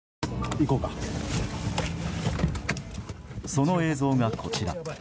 その映像が、こちら。